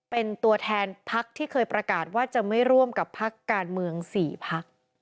เป็นตัวแทนพักที่เคยประกาศว่าจะไม่ร่วมกับพักการเมือง๔พัก